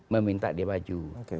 meminta dia maju